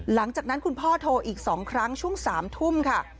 หลังจากนั้นคุณพ่อโทรอีก๒ครั้งช่วง๓ทุ่มค่ะ